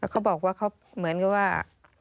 เขาบอกว่าเขาเหมือนกับว่า